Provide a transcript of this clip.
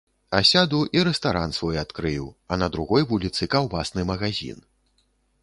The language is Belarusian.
Асяду і рэстаран свой адкрыю, а на другой вуліцы каўбасны магазін.